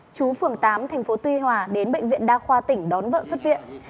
chú phường tám tp tuy hòa đến bệnh viện đa khoa tỉnh đón vợ xuất viện